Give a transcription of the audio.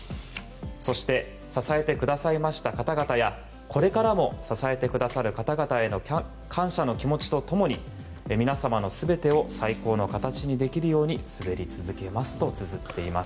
そして支えてくださいました方々やこれからも支えてくださる方々への感謝の気持ちと共に皆様の全てを最高の形にできるように滑り続けますとつづっています。